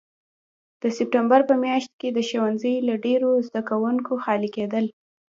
د سپټمبر په میاشت کې به ښوونځي له ډېرو زده کوونکو خالي کېدل.